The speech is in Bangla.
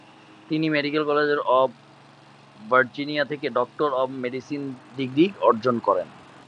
তিনি মেডিকেল কলেজ অব ভার্জিনিয়া থেকে ডক্টর অব মেডিসিন ডিগ্রি অর্জন করেন।